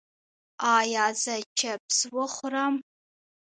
ایا زه چپس وخورم؟